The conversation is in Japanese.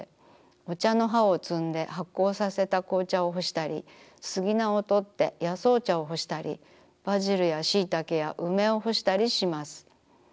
お茶の葉を摘んで発酵させた紅茶を干したりスギナをとって野草茶を干したりバジルや椎茸や梅を干したりします。